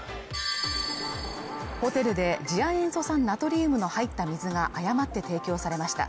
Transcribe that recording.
ホテルで次亜塩素酸ナトリウムの入った水が誤って提供されました。